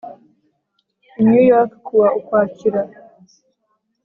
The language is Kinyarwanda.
i New York kuwa Ukwakira